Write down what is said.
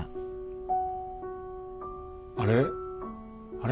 あれ？